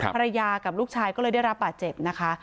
ภรรยากับลูกชายก็เลยได้รับบาดเจ็บนะคะ